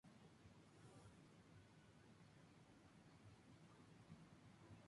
Se puede encontrar en España, por ejemplo en el Torcal de Antequera.